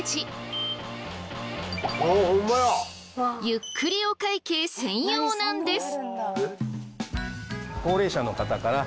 ゆっくりお会計専用なんです。